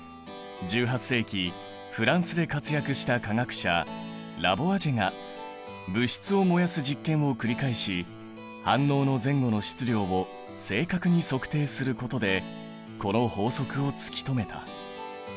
１８世紀フランスで活躍した化学者ラボアジェが物質を燃やす実験を繰り返し反応の前後の質量を正確に測定することでこの法則を突き止めた。